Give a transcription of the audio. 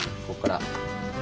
こっから。